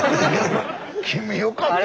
君よかった。